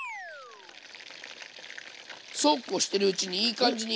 そうこうしているうちにいい感じに。